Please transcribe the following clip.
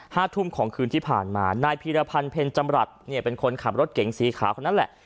ห้าทุ่มของคืนที่ผ่านมานายพีรพันธ์เพ็ญจำรัฐเนี่ยเป็นคนขับรถเก๋งสีขาวคนนั้นแหละ